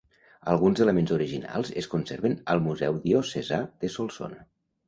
Alguns elements originals es conserven al Museu Diocesà de Solsona.